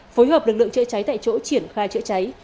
phối hợp lực lượng chữa cháy tại chỗ triển khai chữa cháy